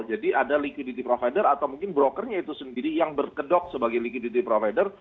jadi ada liquidity provider atau mungkin brokernya itu sendiri yang berkedok sebagai liquidity provider